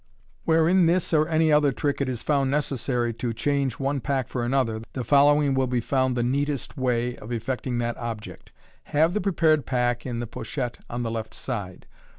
Where in this or any other trick it is found necessary to change one pack for another, the following will be found the neatest way of effecting that object. Have the prepared pack in the pochette on the left side.